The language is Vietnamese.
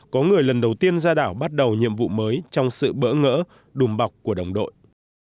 có người lần đầu tiên ra đảo bắt đầu nhiệm vụ mới trong sự bỡ ngỡ đùm bọc của đồng đội